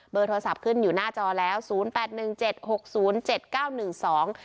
โทรศัพท์ขึ้นอยู่หน้าจอแล้วศูนย์แปดหนึ่งเจ็ดหกศูนย์เจ็ดเก้าหนึ่งสอง